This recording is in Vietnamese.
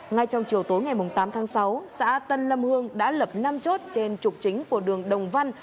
ngay trong chiều tối ngày tám tháng sáu xã tân lâm hương đã lập năm chốt trên trục chính của đường đồng văn